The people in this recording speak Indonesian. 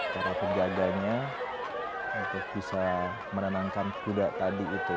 para penjaganya untuk bisa menenangkan kuda tadi itu